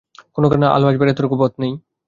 কোনোখানে আলো আসবার এতটুকু পথ নেই।